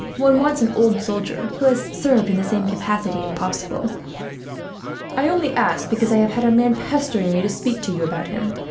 One wants an old soldier; one who has served in the same capacity, if possible." "I only asked because I have had a man pestering me to speak to you about him.